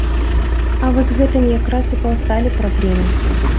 А вось з гэтым якраз і паўсталі праблемы.